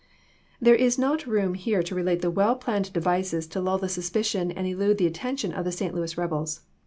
There is not room here to relate the well planned devices to lull the suspicion and elude the attention of the St. Louis 1861. rebels.